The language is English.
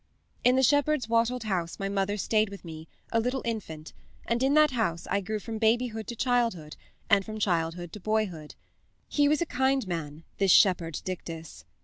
"In the shepherd's wattled house my mother stayed with me, a little infant, and in that house I grew from babyhood to childhood, and from childhood to boyhood. He was a kind man, this shepherd Dictys.